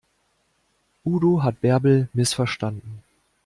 Udo hat Bärbel missverstanden.